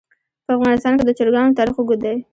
په افغانستان کې د چرګانو تاریخ اوږد دی.